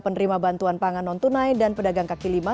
penerima bantuan pangan non tunai dan pedagang kaki lima